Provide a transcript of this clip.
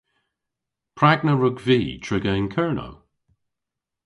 Prag na wrug vy triga yn Kernow?